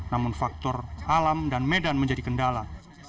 namun faktor alam dan medan menjadi kendala